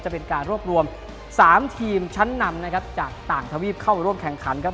เป็นการรวบรวม๓ทีมชั้นนำนะครับจากต่างทวีปเข้าร่วมแข่งขันครับ